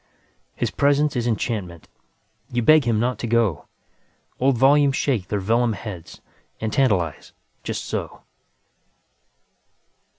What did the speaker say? His presence is enchantment, You beg him not to go; Old volumes shake their vellum headsAnd tantalize, just so.